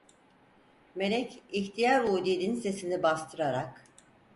Melek ihtiyar udinin sesini bastırarak…